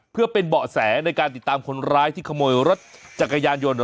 เพื่อเป็นเบาะแสในการติดตามคนร้ายที่ขโมยรถจักรยานยนต์